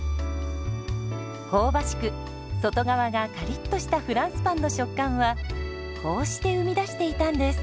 香ばしく外側がカリッとしたフランスパンの食感はこうして生み出していたんです。